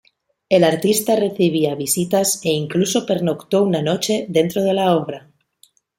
El artista recibía visitas e incluso pernoctó una noche dentro de la obra.